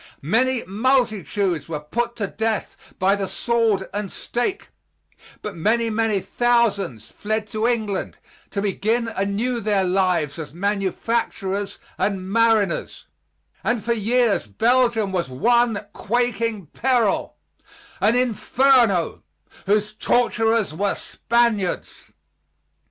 Many multitudes were put to death by the sword and stake, but many, many thousands fled to England, to begin anew their lives as manufacturers and mariners; and for years Belgium was one quaking peril, an inferno, whose torturers were Spaniards.